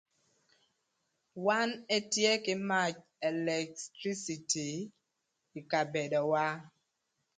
Wan etye kï mac electricity ï kabedowa.